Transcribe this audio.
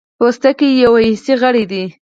پوستکی یو حسي غړی دی.